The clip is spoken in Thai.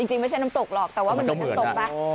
จริงไม่ใช่น้ำตกหรอกแต่ว่ามันเหมือนน้ำตกไหม